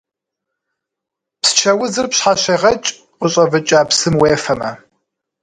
Псчэ узыр пщхьэщегъэкӏ къыщӏэвыкӏа псым уефэмэ.